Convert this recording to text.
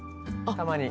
たまに。